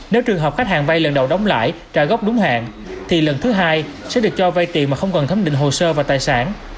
nếu trường hợp khách hàng vay lần đầu đóng lại trả gốc đúng hạn thì lần thứ hai sẽ được cho vay tiền mà không cần thấm định hồ sơ và tài sản